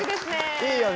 いいよね。